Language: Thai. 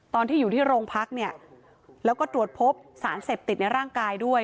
ตอนที่อยู่ที่โรงพักเนี่ยแล้วก็ตรวจพบสารเสพติดในร่างกายด้วย